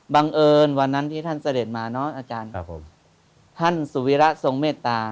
เอิญวันนั้นที่ท่านเสด็จมาเนอะอาจารย์ครับผมท่านสุวิระทรงเมตตา